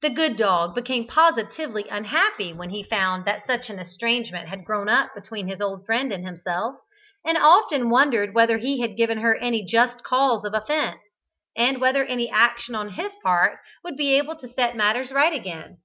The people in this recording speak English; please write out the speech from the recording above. The good dog became positively unhappy when he found that such an estrangement had grown up between his old friend and himself, and often wondered whether he had given her any just cause of offence, and whether any action on his part would be able to set matters right again.